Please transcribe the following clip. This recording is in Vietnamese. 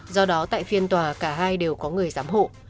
do đó tại phiên tòa cả hai đều có người giám hộ